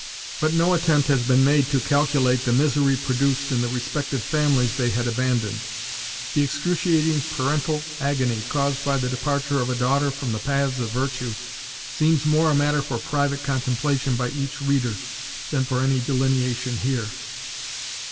But no attempt has been made to calculate the misery produced in the respective families they had abandoned. The excruciating parental agony caused by the departure of a daughter from the paths of virtue seems more a matter for private contemplation by each reader than for any delineation here.